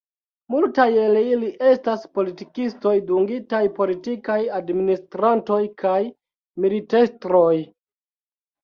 Multaj el ili estas politikistoj, dungitaj politikaj administrantoj, kaj militestroj.